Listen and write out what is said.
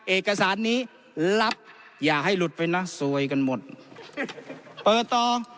เอกสารนี้รับอย่าให้หลุดไปนะซวยกันหมดเปิดต่อ